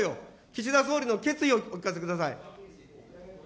岸田総理の決意をお聞かせください。